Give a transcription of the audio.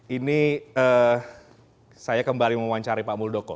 ini saya kembali mewawancari pak muldoko